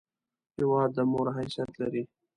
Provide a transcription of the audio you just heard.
هېواد د مور حیثیت لري!